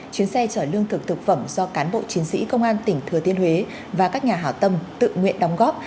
chuyến xe chở lương thực thực phẩm do cán bộ chiến sĩ công an tỉnh thừa thiên huế và các nhà hảo tâm tự nguyện đóng góp